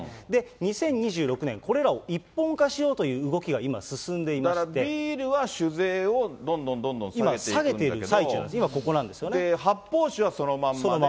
２０２６年、これらを一本化しようという動きが今、進んでいましだからビールは酒税をどんど今、下げている最中で、今こ発泡酒はそのままで。